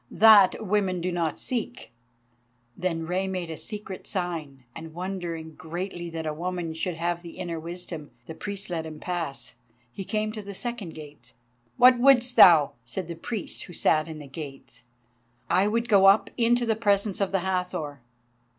"That women do not seek." Then Rei made a secret sign, and wondering greatly that a woman should have the inner wisdom, the priest let him pass. He came to the second gates. "What wouldst thou?" said the priest who sat in the gates. "I would go up into the presence of the Hathor."